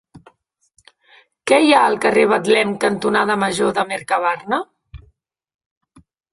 Què hi ha al carrer Betlem cantonada Major de Mercabarna?